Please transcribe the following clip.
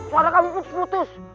suara kamu putus putus